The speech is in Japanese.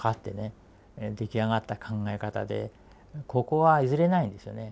出来上がった考え方でここは譲れないんですよね。